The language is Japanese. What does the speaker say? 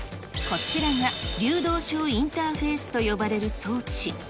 こちらが流動床インターフェースと呼ばれる装置。